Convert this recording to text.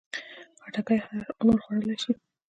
خټکی هر عمر خوړلی شي.